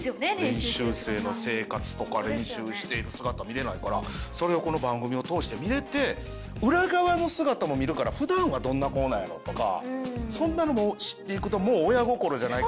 練習生の生活とか練習している姿見れないからそれをこの番組を通して見れて裏側の姿も見るから普段はどんな子なんやろとかそんなのも知っていくともう。